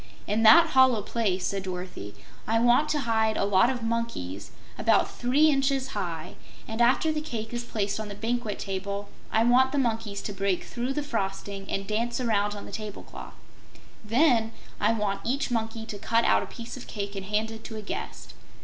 "In that hollow place," said Dorothy, "I want to hide a lot of monkeys about three inches high, and after the cake is placed on the banquet table, I want the monkeys to break through the frosting and dance around on the table cloth. Then, I want each monkey to cut out a piece of cake and hand it to a guest."